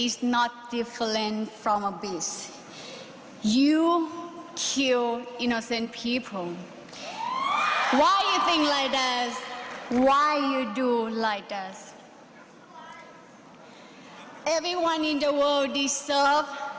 เซฬร์เซฬร์